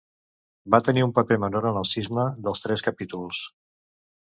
Va tenir un paper menor en el Cisma dels Tres Capítols.